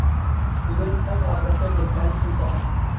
بۈگۈن ئەڭ ئاخىرقى بىر پەن ئىمتىھان.